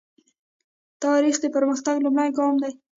تاریخ د پرمختګ لومړنی ګام دی.